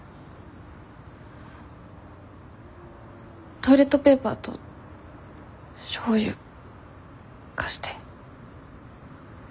トイレットペーパーとしょうゆ貸して。